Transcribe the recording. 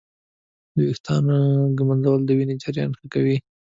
د ویښتانو ږمنځول د وینې جریان ښه کوي.